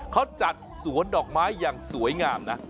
เขาจัดสวนดอกไม้อย่างสวยงามนะ